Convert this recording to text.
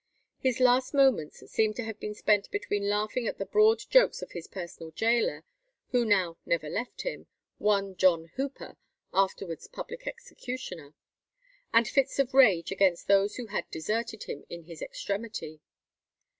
His last moments seem to have been spent between laughing at the broad jokes of his personal gaoler, who now never left him, one John Hooper, afterwards public executioner,[268:1] and fits of rage against those who had deserted him in his extremity.